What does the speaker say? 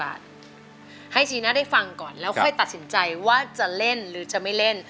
ให้ชีน่าได้ฟังก่อนแล้วค่อยตัดสินใจว่าจะเล่นหรือจะไม่เล่น